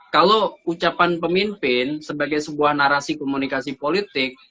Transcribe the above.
kalau ucapan pemimpin sebagai sebuah narasi komunikasi politik